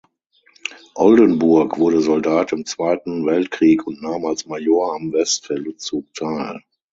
Oldenbourg wurde Soldat im Zweiten Weltkrieg und nahm als Major am Westfeldzug teil.